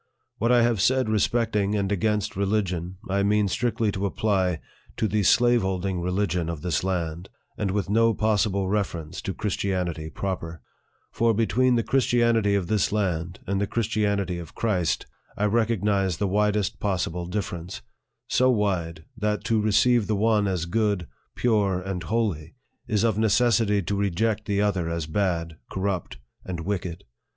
What I have said respecting and against religion, I mean strictly to apply to the slaveholding religion of this land, and with no possible reference to Christianity proper ; for, between the Christianity of this land, and the Chris tianity of Christ, I recognize the widest possible differ ence so wide, that to receive the one as good, pure, and holy, is of necessity to reject the other as bad, corrupt, and wicked.